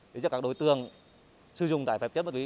để cho các đối tượng sử dụng tài phạm chất ma túy